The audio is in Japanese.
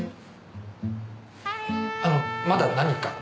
あのまだ何か？